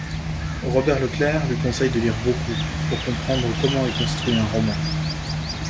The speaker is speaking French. Robert Leclerc lui conseille de lire beaucoup pour comprendre comment est construit un roman.